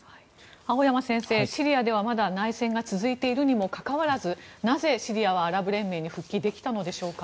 青山先生、シリアではまだ内戦が続いているにもかかわらずなぜ、シリアはアラブ連盟に復帰できたのでしょうか？